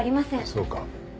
そうか。